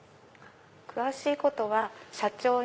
詳しいことは社長に。